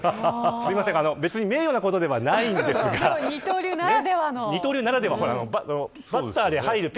別に名誉なことではないんですが二刀流ならでは。